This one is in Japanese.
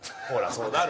そうなる。